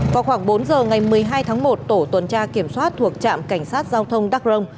vào khoảng bốn giờ ngày một mươi hai tháng một tổ tuần tra kiểm soát thuộc trạm cảnh sát giao thông đắc rông